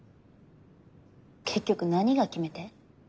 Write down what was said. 結局何が決め手？